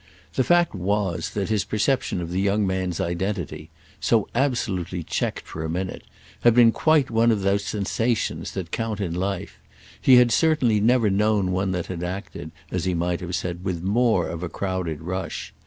The fact was that his perception of the young man's identity—so absolutely checked for a minute—had been quite one of the sensations that count in life; he certainly had never known one that had acted, as he might have said, with more of a crowded rush.